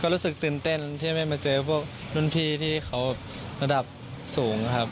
รู้สึกตื่นเต้นที่ไม่มาเจอพวกรุ่นพี่ที่เขาระดับสูงครับ